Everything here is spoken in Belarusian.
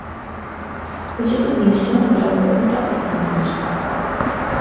Хоць і тут не ўсё, верагодна, так адназначна.